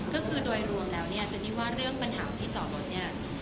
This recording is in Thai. ก็คือโดยรวมแล้วเนี่ยเจนนี่ว่าเรื่องปัญหาที่จอดรถเนี่ย